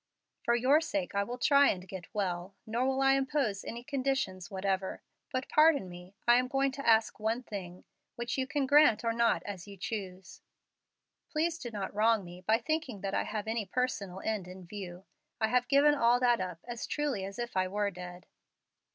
For your sake I will try and get well, nor will I impose any conditions whatever. But pardon me: I am going to ask one thing, which you can grant or not as you choose. Please do not wrong me by thinking that I have any personal end in view. I have given all that up as truly as if I were dead.